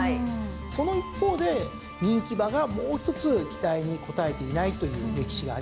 その一方で人気馬がもうひとつ期待に応えていないという歴史がありまして。